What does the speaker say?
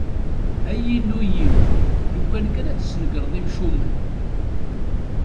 Ay Illu-iw, lukan kan ad tesnegreḍ imcumen!